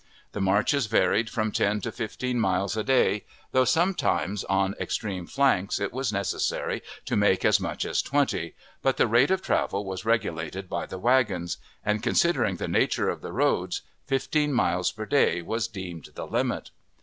The marches varied from ten to fifteen miles a day, though sometimes on extreme flanks it was necessary to make as much as twenty, but the rate of travel was regulated by the wagons; and, considering the nature of the roads, fifteen miles per day was deemed the limit.